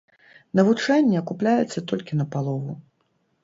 Навучанне акупляецца толькі на палову.